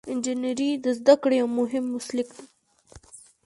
انجنیری د زده کړې یو مهم مسلک دی.